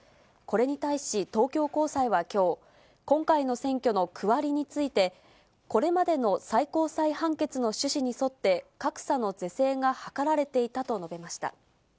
これに対し東京高裁はきょう、今回の選挙の区割りについて、これまでの最高裁判決の趣旨に沿って、格差の是正が図られていたと述べました。